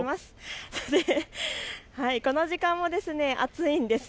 この時間も暑いんです。